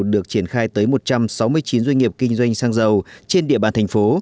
được triển khai tới một trăm sáu mươi chín doanh nghiệp kinh doanh xăng dầu trên địa bàn thành phố